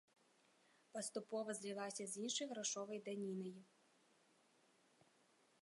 Паступова злілася з іншай грашовай данінай.